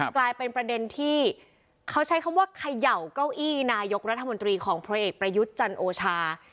กลายเป็นประเด็นที่เขาใช้คำว่าเขย่าเก้าอี้นายกรัฐมนตรีของพลเอกประยุทธ์จันโอชา